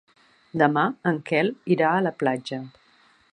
Demà en Quel irà a la platja.